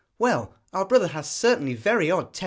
Well, our brother has certainly very odd taste!'